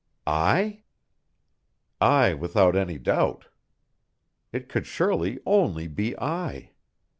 I? I without any doubt. It could surely only be I?